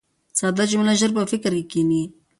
ساده جمله ژر په فکر کښي کښېني.